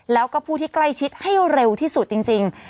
แล้วก็ผู้ที่ใกล้ชิดให้เร็วที่สุดจริง